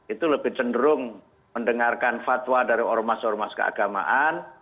itu lebih cenderung mendengarkan fatwa dari ormas ormas keagamaan